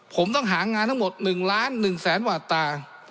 ผมต้องหางานทั้งหมด๑ล้าน๑แสนหวาดตา